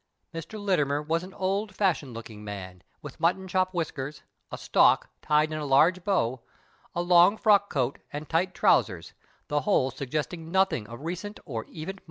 Mr. Littimer was an old fashioned looking man, with mutton chop whiskers, a " stock," tied in a large bow, a long frock coat, and tight trousers — the whole suggesting nothing of recent or even 52 MR.